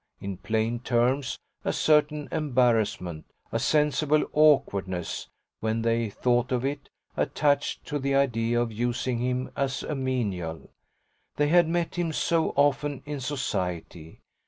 In plain terms a certain embarrassment, a sensible awkwardness when they thought of it, attached to the idea of using him as a menial: they had met him so often in society.